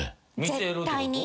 絶対に。